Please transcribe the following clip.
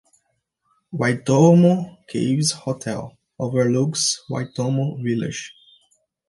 Waitomo Caves Hotel overlooks Waitomo Village.